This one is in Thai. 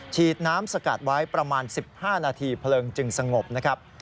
ฉีดน้ำสกัดไว้ประมาณ๑๕นาทีเพลิงจึงสงบนะครับ